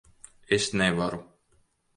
Es nevaru.